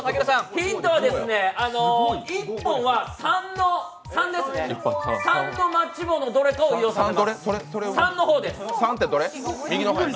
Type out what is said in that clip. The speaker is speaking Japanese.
ヒントは１本は３のマッチ棒のどれかを移動させる。